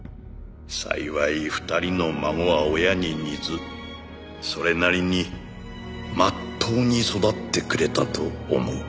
「幸い２人の孫は親に似ずそれなりに真っ当に育ってくれたと思う」